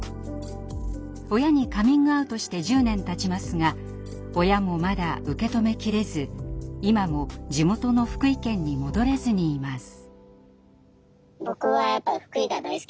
親にカミングアウトして１０年たちますが親もまだ受け止めきれず今も地元の福井県に戻れずにいます。